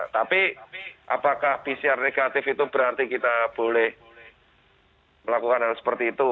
tapi apakah pcr negatif itu berarti kita boleh melakukan hal seperti itu